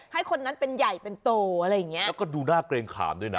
ให้คนนั้นเป็นใหญ่เป็นโตอะไรอย่างเงี้ยแล้วก็ดูหน้าเกรงขามด้วยนะ